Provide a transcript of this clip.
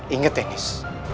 ingat ya nis